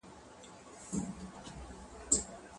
خیر محمد په سړک باندې ورو ورو روان و.